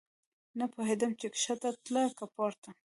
نه پوهېدم چې کښته تله که پورته.